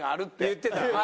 言ってた。